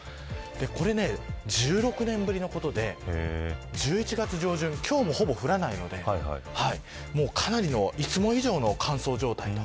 これは１６年ぶりのことで１１月上旬今日もほぼ降らないのでかなりのいつも以上の乾燥状態と。